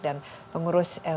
dan pengurus lgtb